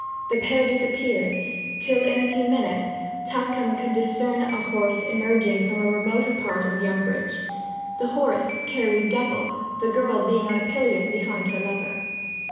The pair disappeared; till, in a few minutes, Tupcombe could discern a horse emerging from a remoter part of the umbrage. The horse carried double, the girl being on a pillion behind her lover.